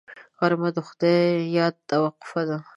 غرمه د خدای یاد ته وقفه ده